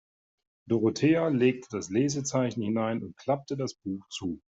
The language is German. Dorothea legte das Lesezeichen hinein und klappte das Buch zu.